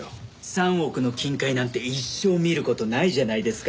３億の金塊なんて一生見る事ないじゃないですか。